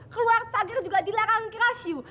keluar takdir juga dilarang keras you